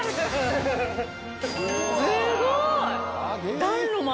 ・すごい！